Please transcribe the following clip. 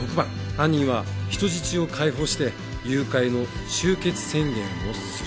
犯人は人質を解放して誘拐の終結宣言をする。